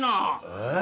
えっ？